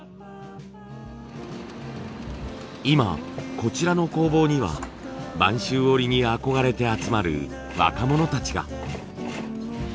今こちらの工房には播州織に憧れて集まる若者たちが。